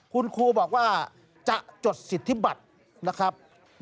คุณครูบอกว่าจะจดสิทธิบัตรนะครับ